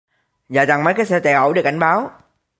Và chặn mấy cái xe chạy ẩu để cảnh báo